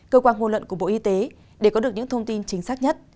cơ quan ngôn luận của bộ y tế để có được những thông tin chính xác nhất